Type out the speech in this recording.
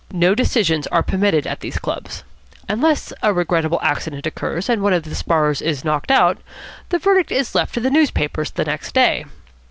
No decisions are permitted at these clubs. Unless a regrettable accident occurs, and one of the sparrers is knocked out, the verdict is left to the newspapers next day.